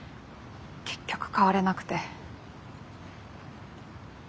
結局変われなくて。